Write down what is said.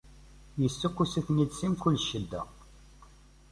Issukkus-iten-id si mkul ccedda.